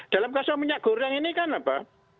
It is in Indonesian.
dalam kasus minyak goreng ini kan apa